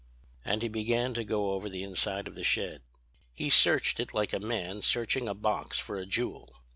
"And he began to go over the inside of the shed. He searched it like a man searching a box for a jewel.